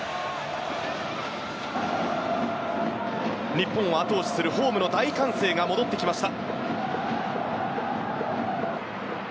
日本を後押しするホームの大歓声が戻ってきました。